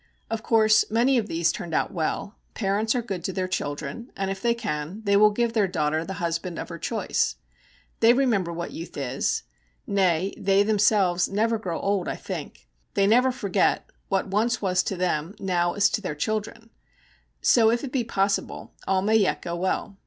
Of course many of these turned out well. Parents are good to their children, and if they can, they will give their daughter the husband of her choice. They remember what youth is nay, they themselves never grow old, I think; they never forget what once was to them now is to their children. So if it be possible all may yet go well.